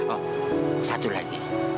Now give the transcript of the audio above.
oh satu lagi